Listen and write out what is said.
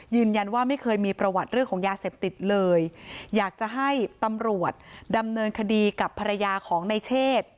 ยืนยันว่าไม่เคยมีประวัติเรื่องของยาเสพติดเลยอยากจะให้ตำรวจดำเนินคดีกับภรรยาของในเชศ